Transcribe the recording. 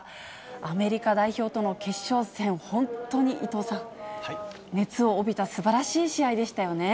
アメリカ代表との決勝戦、本当に伊藤さん、熱を帯びたすばらしい試合でしたよね。